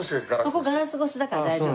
ここガラス越しだから大丈夫。